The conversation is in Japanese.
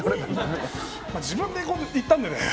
自分で言ったんでね。